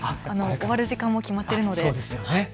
終わる時間も決まっているので。